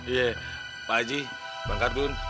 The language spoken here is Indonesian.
iya pak haji bang kardun